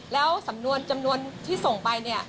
แล้วจำนวนที่ส่งไป